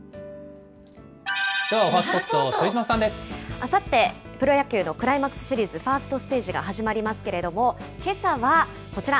あさって、プロ野球のクライマックスシリーズファーストステージが始まりますけども、けさは、こちら。